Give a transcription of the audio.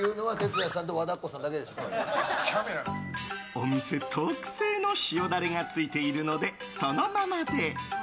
お店特製の塩ダレがついているので、そのままで。